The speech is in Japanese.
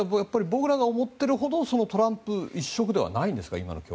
僕らが思っているほどトランプ一色ではないんですか。